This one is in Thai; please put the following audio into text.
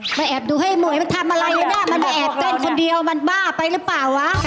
มันพ่อมาแอบดูให้หมู้ไหมมันทำอะไรเลยน่ะมันมาแอบเต้นคนเดียวมันบ้าไปรึเปล่าฮะ